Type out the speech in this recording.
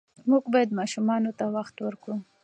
موږ باید ماشومانو ته وخت ورکړو.